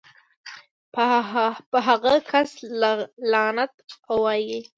پۀ هغه کس لعنت اووائې